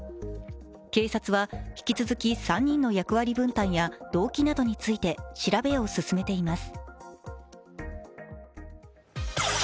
警察は引き続き３人の役割分担や動機などについて調べを進めています。